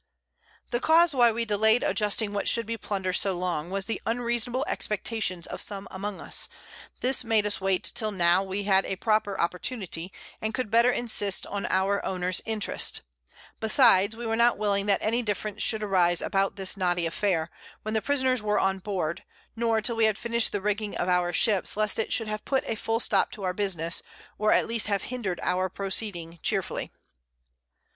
The Cause why we delay'd adjusting what should be Plunder so long, was the unreasonable Expectations of some among us: This made us wait till now we had a proper Opportunity, and could better insist on our Owner's Interest: Besides, we were not willing that any Difference should arise about this knotty Affair, when the Prisoners were on board, nor till we had finish'd the Rigging of our Ships, lest it should have put a full Stop to our Business, or at least have hinder'd our Proceeding chearfully.